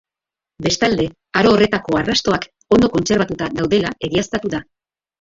Bestalde, aro horretako arrastoak ondo kontserbatuta daudela egiaztatu da.